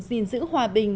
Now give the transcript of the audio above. gìn giữ hòa bình